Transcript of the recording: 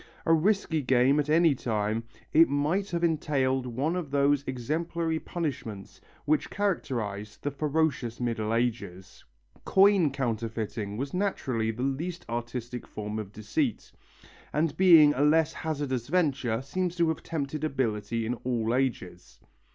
A risky game at any time, it might have entailed one of those exemplary punishments which characterized the ferocious Middle Ages. Coin counterfeiting was naturally the least artistic form of deceit, and being a less hazardous venture seems to have tempted ability in all ages.